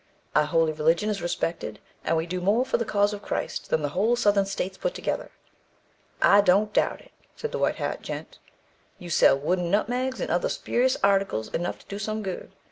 Our holy religion is respected, and we do more for the cause of Christ than the whole Southern States put together." "I don't doubt it," said the white hat gent. "You sell wooden nutmegs and other spurious articles enough to do some good.